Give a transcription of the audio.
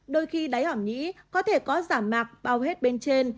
đôi khi đáy hỏm nhĩ có thể có giả mạc bao hết bên trên